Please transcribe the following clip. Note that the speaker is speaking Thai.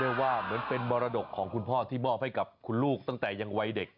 ว่าเหมือนเป็นมรดกของคุณพ่อที่มอบให้กับคุณลูกตั้งแต่ยังวัยเด็ก